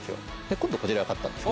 今度、こちらが勝ったんですよ。